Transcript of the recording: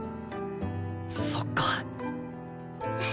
そっか。